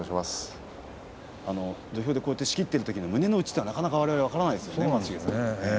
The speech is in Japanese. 土俵で仕切っているときの胸の内は、なかなかわれわれは分からないですよね。